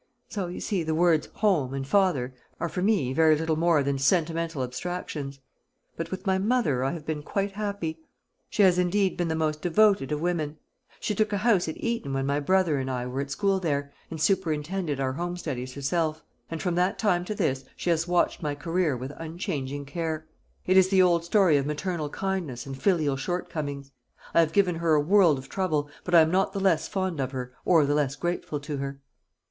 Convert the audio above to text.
So, you see, the words 'home' and 'father' are for me very little more than sentimental abstractions. But with my mother I have been quite happy. She has indeed been the most devoted of women. She took a house at Eton when my brother and I were at school there, and superintended our home studies herself; and from that time to this she has watched my career with unchanging care. It is the old story of maternal kindness and filial shortcomings. I have given her a world of trouble; but I am not the less fond of her, or the less grateful to her."